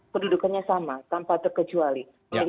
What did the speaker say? pendudukannya sama tanpa terkecuali